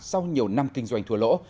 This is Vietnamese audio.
sau nhiều năm kinh doanh thua lỗ